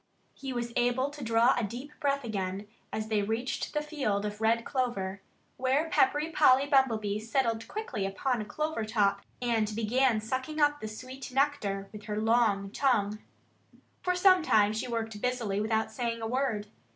He was able to draw a deep breath again as they reached the field of red clover, where Peppery Polly Bumblebee settled quickly upon a clover top and began sucking up the sweet nectar with her long tongue. For some time she worked busily without saying a word.